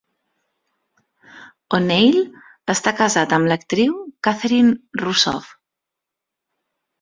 O'Neill està casat amb l'actriu Catherine Rusoff.